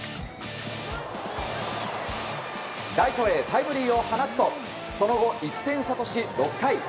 ライトへタイムリーを放つとその後、１点差とし６回。